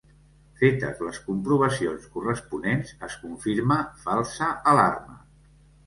Fetes les comprovacions corresponents es confirma falsa alarma.